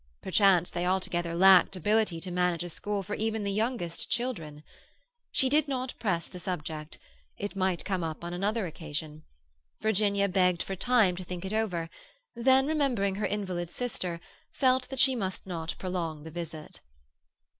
Perchance they altogether lacked ability to manage a school for even the youngest children. She did not press the subject; it might come up on another occasion. Virginia begged for time to think it over; then, remembering her invalid sister, felt that she must not prolong the visit.